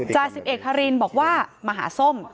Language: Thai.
จ่าสิบเอกฮารินบอกว่ามาหาส้ม